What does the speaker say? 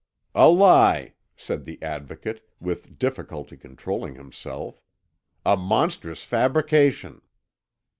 "A lie!" said the Advocate, with difficulty controlling himself; "a monstrous fabrication!"